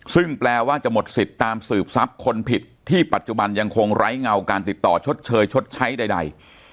ซึ่งแปลว่าจะหมดสิทธิ์ตามสืบทรัพย์คนผิดที่ปัจจุบันยังคงไร้เงาการติดต่อชดเชยชดใช้ใด